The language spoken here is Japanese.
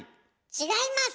違います！